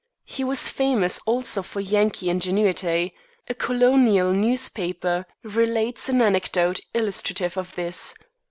He was famous also for Yankee ingenuity. A colonial newspaper relates an anecdote illustrative of this.